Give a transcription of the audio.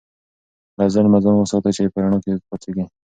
له ظلمه ځان وساته چې په رڼا کې پاڅېږې.